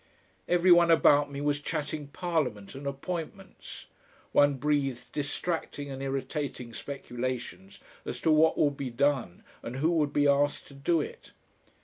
Everyone about me was chatting Parliament and appointments; one breathed distracting and irritating speculations as to what would be done and who would be asked to do it.